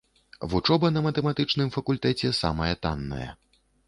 Вучоба на матэматычным факультэце самая танная.